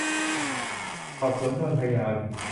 สอบสวนทวนพยาน